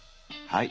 はい！